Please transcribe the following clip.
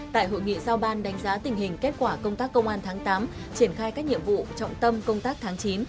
tại hội nghị giao ban đánh giá tình hình kết quả công tác công an tháng tám triển khai các nhiệm vụ trọng tâm công tác tháng chín